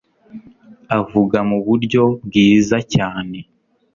avuga mu buryo bwiza cyane